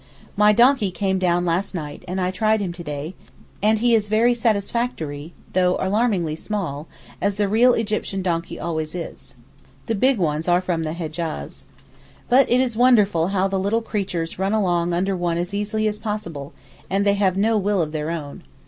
My donkey came down last night, and I tried him to day, and he is very satisfactory though alarmingly small, as the real Egyptian donkey always is; the big ones are from the Hejaz. But it is wonderful how the little creatures run along under one as easy as possible, and they have no will of their own.